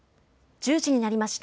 １０時になりました。